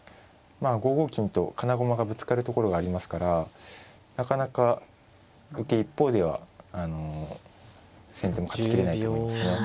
５五金と金駒がぶつかるところがありますからなかなか受け一方では先手も勝ちきれないと思いますね。